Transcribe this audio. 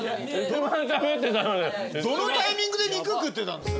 どのタイミングで肉食ってたんですか？